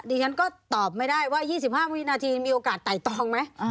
ดิฉันก็ตอบไม่ได้ว่า๒๕วินาทีมีโอกาสไต่ตองไหม